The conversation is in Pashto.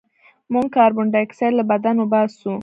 موږ کاربن ډای اکسایډ له بدن وباسو